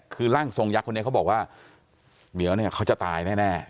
คือร่างทรงยักษ์คนนี้เขาบอกว่าเหมียวเนี่ยเขาจะตายแน่